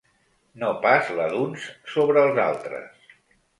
No pas la d’uns sobre els altres.